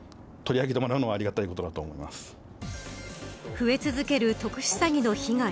増え続ける特殊詐欺の被害